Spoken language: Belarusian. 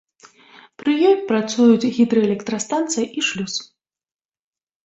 Пры ёй працуюць гідраэлектрастанцыя і шлюз.